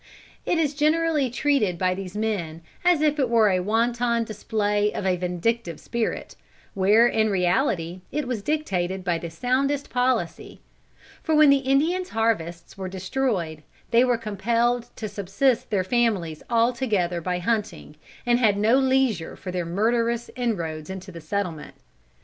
It is generally treated by these men as if it were a wanton display of a vindictive spirit, where in reality it was dictated by the soundest policy; for when the Indians' harvests were destroyed, they were compelled to subsist their families altogether by hunting, and had no leisure for their murderous inroads into the settlements.